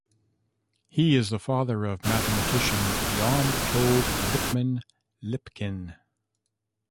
He is the father of mathematician Yom Tov Lipman Lipkin.